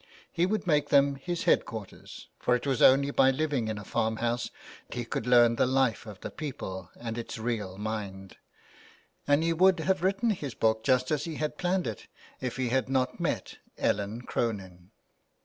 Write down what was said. He would make 304 THE WILD GOOSE. them his head quarters ; for it was only by living in a farmhouse he could learn the life of the people and its real mind. And he would have written his book just as he had planned it if he had not met Ellen Cronin.